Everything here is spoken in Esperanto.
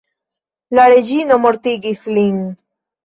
La reĝino mortigis lin.